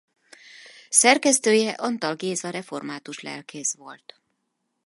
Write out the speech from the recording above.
Szerkesztője Antal Géza református lelkész volt.